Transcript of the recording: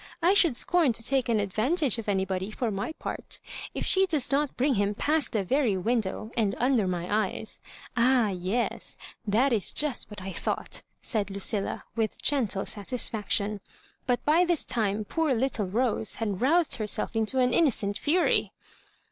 I should scorn to take an advantage of anybody, for my part If slie does not bring him past the very wiudow, and under my eyes— Ah, yes, that is just what I thought," said Lucilla, with gentle satisfaction. But by this time poor little Rose had roused her self into an innocent fury.